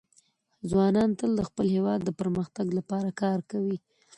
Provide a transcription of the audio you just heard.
ځوانان تل د خپل هېواد د پرمختګ لپاره کار کوي.